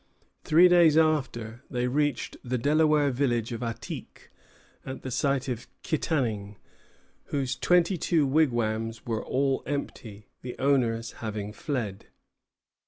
Three days after, they reached the Delaware village of Attiqué, at the site of Kittanning, whose twenty two wigwams were all empty, the owners having fled.